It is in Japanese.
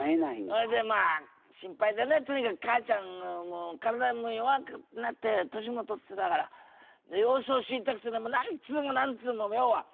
それでまあ心配でねとにかく母ちゃん体も弱くなって年も取ってたから様子を知りたくて何通も何通も要は。